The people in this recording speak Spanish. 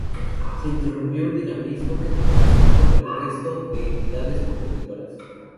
Se imprimió un dinamismo que contrastó con el del resto de entidades competidoras.